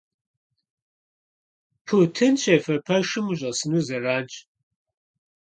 Тутын щефэ пэшым ущӀэсыну зэранщ.